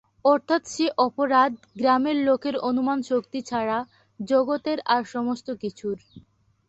অর্থাৎ সে অপরাধ গ্রামের লোকের অনুমানশক্তি ছাড়া জগতের আর সমস্ত কিছুর।